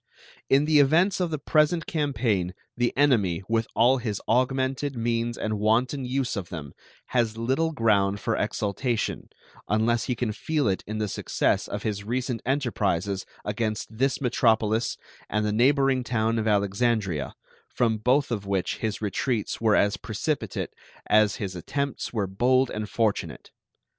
In the events of the present campaign the enemy, with all his augmented means and wanton use of them, has little ground for exultation, unless he can feel it in the success of his recent enterprises against this metropolis and the neighboring town of Alexandria, from both of which his retreats were as precipitate as his attempts were bold and fortunate.